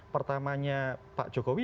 pertamanya pak jokowi